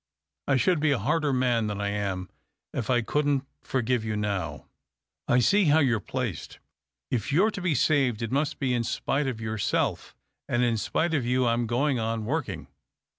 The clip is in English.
I should be a harder man than I am if I couldn't forgive you now. I see how^ you're placed if you're to be saved, it must be in spite of yourself, and in spite of you I'm going on working.